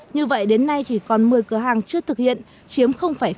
như vậy đến nay chỉ còn một mươi cửa hàng chưa thực hiện chiếm sáu